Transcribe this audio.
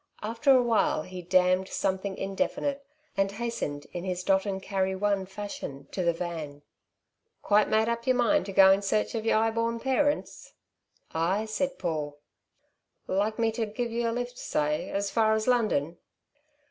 After a while he damned something indefinite and hastened in his dot and carry one fashion to the van. "Quite made up yer mind to go in search of yer 'ighborn parents?" "Ay," said Paul. "Like me to give yer a lift, say, as far as London?"